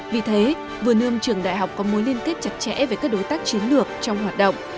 vì thế vừa nươm trường đại học có mối liên kết chặt chẽ với các đối tác chiến lược trong hoạt động